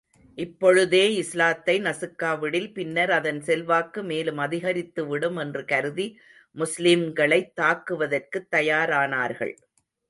இப்பொழுதே இஸ்லாத்தை நசுக்காவிடில், பின்னர் அதன் செல்வாக்கு மேலும் அதிகரித்து விடும் என்று கருதி, முஸ்லிம்களைத் தாக்குவதற்குத் தயாரானார்கள்.